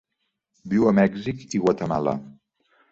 Viu a Mèxic i Guatemala.